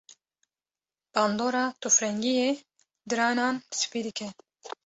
bandora tûfrengiyê diranan spî dike.